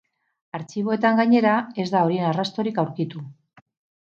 Artxiboetan, gainera, ez da horien arrastorik aurkitu.